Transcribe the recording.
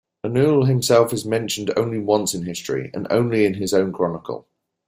Ernoul himself is mentioned only once in history, and only in his own chronicle.